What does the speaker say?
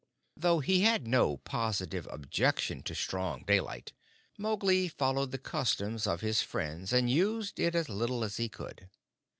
Though he had no positive objection to strong daylight, Mowgli followed the custom of his friends, and used it as little as he could.